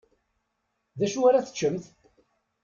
Dacu ara teččemt?